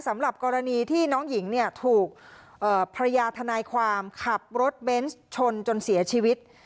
สำหรับกรณีที่น้องหญิงเนี่ยถูกภรรยาทนายความขับรถเบนส์ชนจนเสียชีวิต